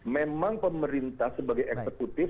memang pemerintah sebagai eksekutif